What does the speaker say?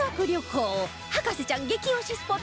博士ちゃん激推しスポット